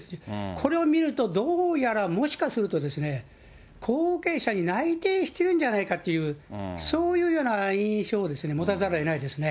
これを見るとどうやら、もしかするとですね、後継者に内定してるんじゃないかっていう、そういうような印象を持たざるをえないですね。